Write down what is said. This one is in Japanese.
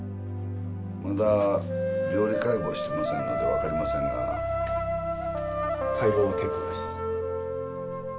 まだ病理解剖してませんので分かりませんが解剖は結構です